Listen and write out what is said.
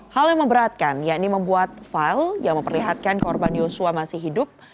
hal yang memberatkan yakni membuat file yang memperlihatkan korban yosua masih hidup